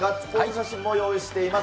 写真も用意しています。